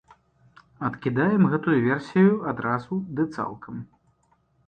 Адкідаем гэтую версію адразу ды цалкам.